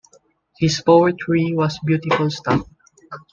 His poetry was beautiful stuff.